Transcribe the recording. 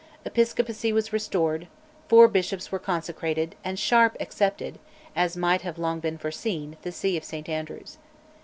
Episcopacy was restored, four bishops were consecrated, and Sharp accepted (as might have long been foreseen) the See of St Andrews.